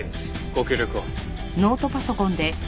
ご協力を。